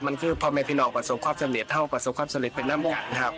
มันคือพ่อแม่พี่น้องประสบความสำเร็จเท่าประสบความสำเร็จเป็นน้ำมุกนะครับ